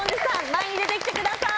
前に出てきてください。